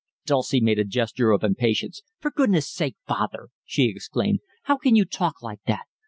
Dulcie made a gesture of impatience. "For goodness' sake, father," she exclaimed, "how can you talk like that?